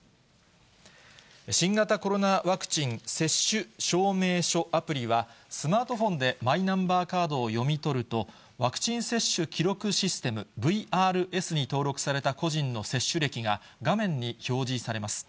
新型コロナワクチン接種証明書アプリは、スマートフォンでマイナンバーカードを読み取ると、ワクチン接種記録システム・ＶＲＳに登録された個人の接種歴が画面に表示されます。